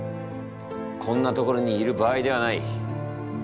こんな所にいる場合ではない。